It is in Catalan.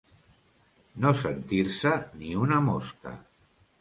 No sentir-se ni una mosca.